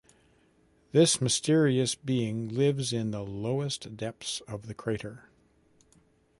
This mysterious being lives in the lowest depths of the crater.